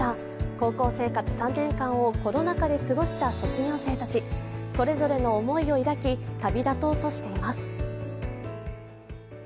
高校生活３年間をコロナ禍で過ごした高校生たち、それぞれの思いを抱き、旅立とうとしています。